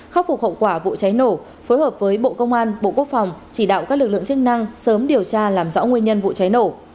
khắc phục hậu quả vụ cháy nổ phối hợp với bộ công an bộ quốc phòng chỉ đạo các lực lượng chức năng sớm điều tra làm rõ nguyên nhân vụ cháy nổ